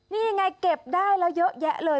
นี่ยังไงเก็บได้แล้วเยอะแยะเลย